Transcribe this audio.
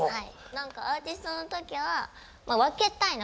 何かアーティストの時は分けたいの。